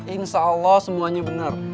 insya allah semuanya benar